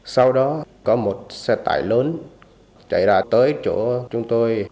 sau đó có một xe tải lớn chạy ra tới chỗ chúng tôi